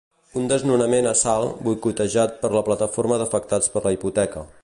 Un desnonament a Salt, boicotejat per la Plataforma d'Afectats per la Hipoteca.